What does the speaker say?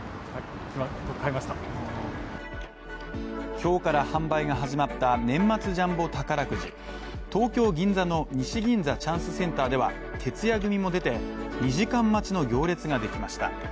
今日から販売が始まった年末ジャンボ宝くじ、東京銀座の西銀座チャンスセンターでは、徹夜組も出て、２時間待ちの行列ができました。